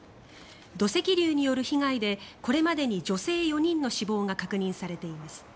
土石流による被害でこれまでに女性４人の死亡が確認されています。